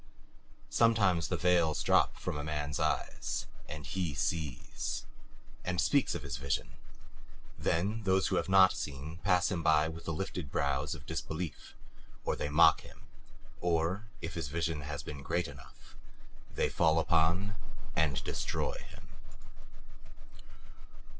Sometimes the veils drop from a man's eyes, and he sees and speaks of his vision. Then those who have not seen pass him by with the lifted brows of disbelief, or they mock him, or if his vision has been great enough they fall upon and destroy him.